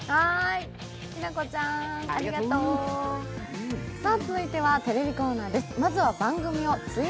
きなこちゃーん、ありがとう続いてはテレビコーナーです。